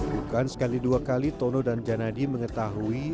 bukan sekali dua kali tono dan janadi mengetahui